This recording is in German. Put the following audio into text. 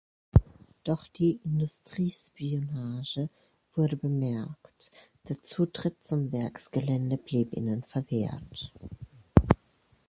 Doch die "Industriespionage" wurde bemerkt, der Zutritt zum Werksgelände blieb ihnen verwehrt.